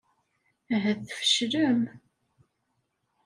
Ahat tfeclem.